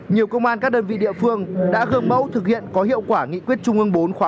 nhiều công an các đơn vị địa phương đã gương mẫu thực hiện có hiệu quả nghị quyết trung ương bốn khóa một mươi